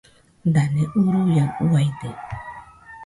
Dane uruaiaɨ uaide.